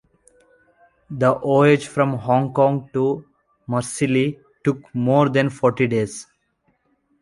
The voyage from Hong Kong to Marseille took more than forty days.